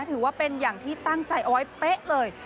ถือว่าเป็นอย่างที่ตั้งใจโป๊ะเลย